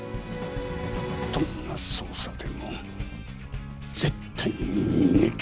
どんな捜査でも絶対に逃げき。